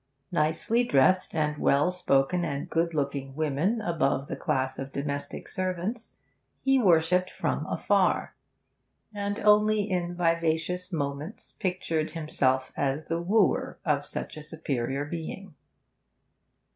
Nicely dressed and well spoken and good looking women above the class of domestic servants he worshipped from afar, and only in vivacious moments pictured himself as the wooer of such a superior being.